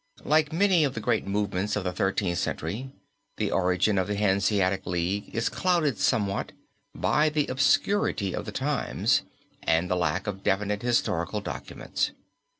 Like many of the great movements of the Thirteenth Century the origin of the Hanseatic League is clouded somewhat by the obscurity of the times and the lack of definite historical documents.